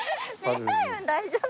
大丈夫？